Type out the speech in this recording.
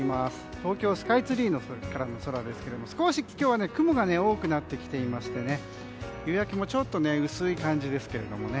東京スカイツリーからの空ですが少し今日は雲が多くなってきていまして夕焼けもちょっと薄い感じですけれどね。